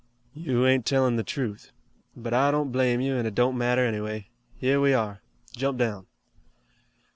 "You ain't tellin' the truth. But I don't blame you an' it don't matter anyway. Here we are. Jump down."